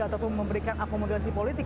ataupun memberikan akomodasi politik